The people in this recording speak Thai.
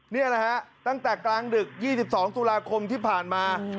เนี่ยแหละฮะตั้งแต่กลางดึกยี่สิบสองสุราคมที่ผ่านมา